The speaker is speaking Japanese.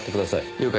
了解。